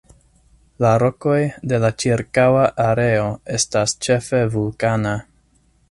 La rokoj de la ĉirkaŭa areo estas ĉefe vulkana.